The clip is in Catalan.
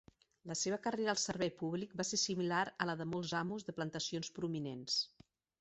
La seva carrera al servei públic va ser similar a la de molts amos de plantacions prominents.